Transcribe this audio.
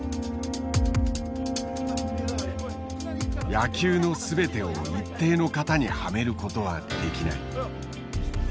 「野球の総てを一定の型にはめる事は出来ない」。